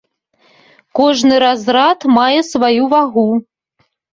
Кожны разрад мае сваю вагу.